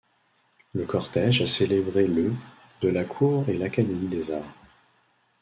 Le cortège a célébré le de la Cour et l'Académie des Arts.